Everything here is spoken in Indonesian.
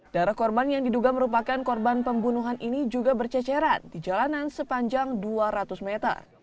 darah korban yang diduga merupakan korban pembunuhan ini juga berceceran di jalanan sepanjang dua ratus meter